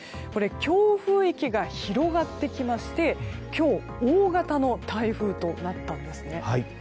これ、強風域が広がってきまして今日大型の台風となったんです。